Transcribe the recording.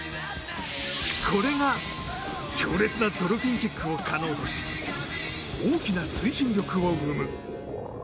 これが強烈なドルフィンキックを可能とし大きな推進力を生む。